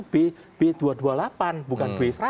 b b dua ratus dua puluh delapan bukan b seratus